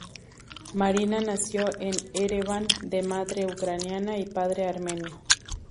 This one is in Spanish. Marina nació en Ereván, de madre ucraniana y padre armenio.